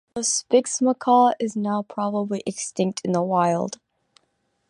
The Spix's macaw is now probably extinct in the wild.